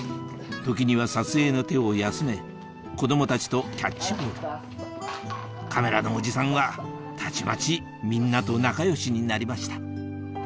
時には撮影の手を休め子供たちとキャッチボールカメラのおじさんはたちまちみんなと仲良しになりました